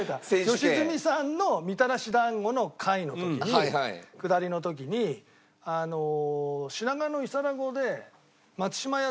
良純さんのみたらし団子の回の時にくだりの時に品川の伊皿子で。